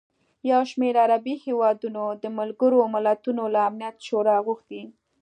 یوشمېر عربي هېوادونو د ملګروملتونو له امنیت شورا غوښتي